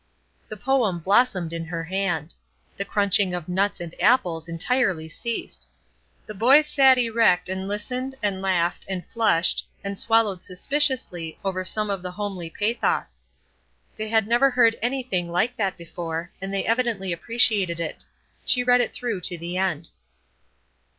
The poem blossomed in her hand. The crunching of nuts and apples entirely ceased. The boys sat erect and listened and laughed and flushed and swallowed suspiciously over some of the homely pathos. They had never heard anything like that before, and they evidently appreciated it. She read through to the end.